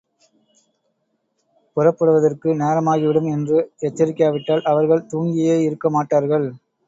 புறப்படுவதற்கு நேரமாகிவிடும் என்று எச்சரிக்காவிட்டால் அவர்கள் தூங்கியேயிருக்க மாட்டார்கள்.